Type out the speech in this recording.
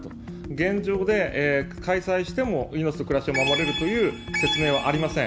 現状で開催しても、いのちと暮らしを守れるという説明はありません。